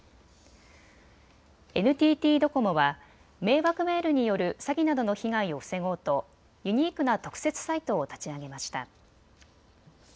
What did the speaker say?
ＮＴＴドコモは迷惑メールによる詐欺などの被害を防ごうとユニークな特設サイトを立ち上げました。